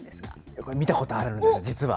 これ、見たことあるんです、実は。